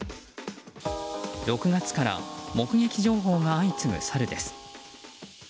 ６月から目撃情報が相次ぐサルです。